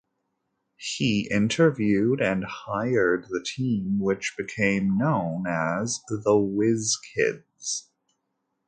He interviewed and hired the team, which became known as the "Whiz Kids".